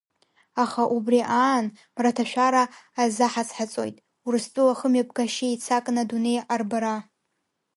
Аха убри аан Мраҭашәара азаҳаҵ-ҳаҵоит Урыстәыла ахымҩаԥгашьа еицакны адунеи арбара.